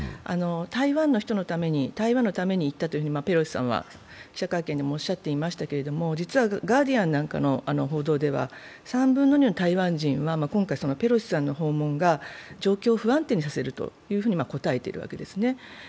台湾の人のために台湾のために行ったとペロシさんは記者会見でもおっしゃっていましたが、実はガーディアンなんかの報道では今回台湾の３分の１の人は今回ペロシさんの訪問が状況を不安定にすると答えています。